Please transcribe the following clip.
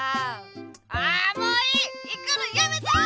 あもういい行くのやめた！